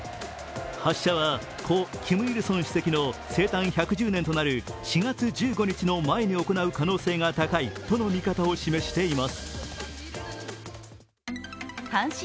発射は故・キム・イルソン主席の生誕１１０年となる４月１５日の前に行う可能性が高いとの見方を示しています。